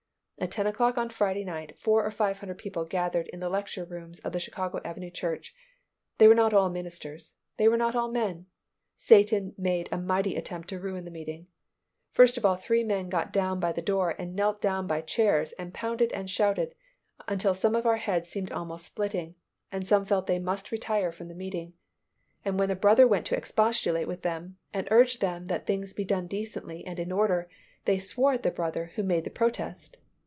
At ten o'clock on Friday night four or five hundred people gathered in the lecture rooms of the Chicago Avenue Church. They were not all ministers. They were not all men. Satan made a mighty attempt to ruin the meeting. First of all three men got down by the door and knelt down by chairs and pounded and shouted until some of our heads seemed almost splitting, and some felt they must retire from the meeting; and when a brother went to expostulate with them and urge them that things be done decently and in order, they swore at the brother who made the protest.